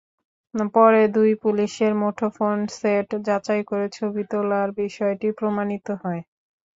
পরে দুই পুলিশের মুঠোফোনসেট যাচাই করে ছবি তোলার বিষয়টি প্রমাণিত হয়।